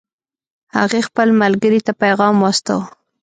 هغې خپل ملګرې ته پیغام واستاوه